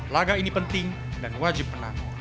laga ini penting dan wajib menang